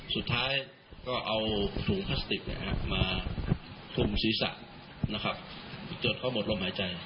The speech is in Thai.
สุดท้ายก็เอาถุงพลาสติกมาคลุมศีรษะนะครับจนเขาหมดลมหายใจ